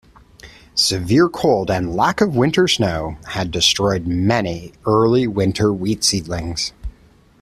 Severe cold and lack of winter snow had destroyed many early winter wheat seedlings.